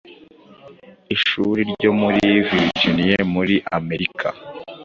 ishuri ryo muri Virginie muri america